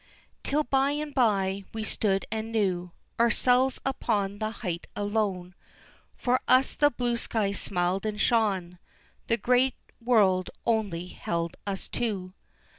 Till, by and by, we stood and knew Ourselves upon the height alone, For us the blue sky smiled and shone, The great world only held us two.